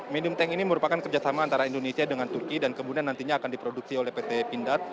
medium tank ini merupakan kerjasama antara indonesia dengan turki dan kemudian nantinya akan diproduksi oleh pt pindad